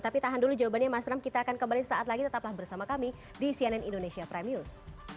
tapi tahan dulu jawabannya mas bram kita akan kembali saat lagi tetaplah bersama kami di cnn indonesia prime news